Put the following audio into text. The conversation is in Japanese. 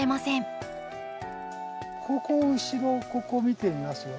ここ後ろここ見てみますよ。